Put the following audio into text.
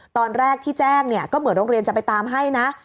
ตอนแรกที่แจ้งเนี่ยก็เหมือนโรงเรียนจะไปตามให้นะ